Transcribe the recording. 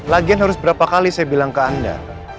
lagian harus berapa kali saya bilang ke anda